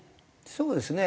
そうですね。